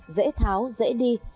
dễ tháo dễ đi